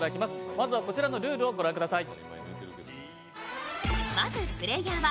まずはこちらのルールをご覧ください。